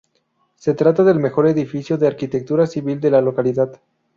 Se trata del mejor edificio de arquitectura civil de la localidad.